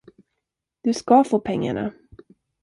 Du ska få pengarna.